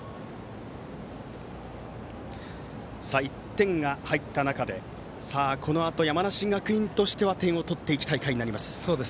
１点が入った中でさあ、このあと山梨学院としては点を取っていきたい回になります。